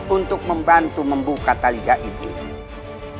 untuk membantu membuka taliha iblis